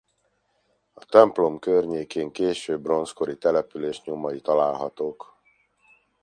A templom környékén késő bronzkori település nyomai találhatók.